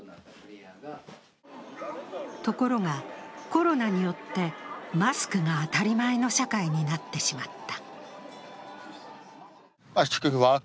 ところが、コロナによってマスクが当たり前の社会になってしまった。